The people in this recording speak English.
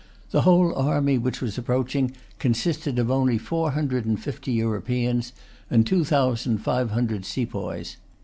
The whole army which was approaching consisted of only four hundred and fifty Europeans and two thousand five hundred sepoys.